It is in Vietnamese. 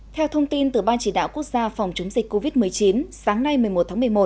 theo thông tin từ ban chỉ đạo quốc gia phòng chống dịch covid một mươi chín sáng nay một mươi một tháng một mươi một